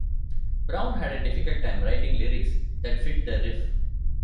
Brown had a difficult time writing lyrics that fit the riff.